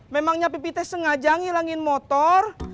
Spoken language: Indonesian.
memangnya pipih teh sengajang ilangin motor